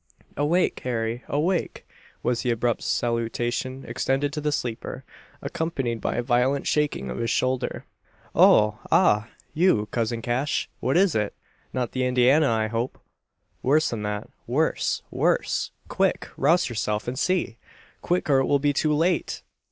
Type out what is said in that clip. "Awake, Harry! awake!" was the abrupt salutation extended to the sleeper, accompanied by a violent shaking of his shoulder. "Oh! ah! you, cousin Cash? What is it? not the Indiana, I hope?" "Worse than that worse! worse! Quick! Rouse yourself, and see! Quick, or it will be too late!